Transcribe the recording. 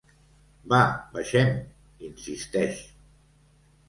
Va, baixem —insisteix.